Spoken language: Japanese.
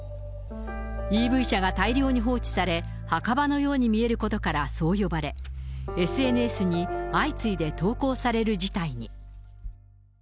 ＥＶ車が大量に放置され、墓場のように見えることからそう呼ばれ、ＳＮＳに相次いで投稿される事態に。